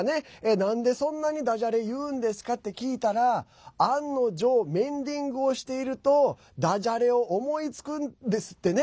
なんで、そんなにだじゃれ言うんですか？って聞いたら案の定メンディングをしているとだじゃれを思いつくんですってね。